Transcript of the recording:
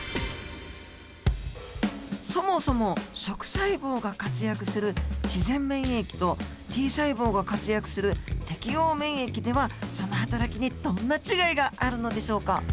そもそも食細胞が活躍する自然免疫とＴ細胞が活躍する適応免疫ではそのはたらきにどんな違いがあるのでしょうか。